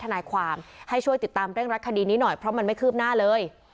ทนายความให้ช่วยติดตามเร่งรักคดีนี้หน่อยเพราะมันไม่คืบหน้าเลย